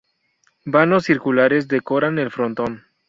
Vanos circulares decoran el frontón.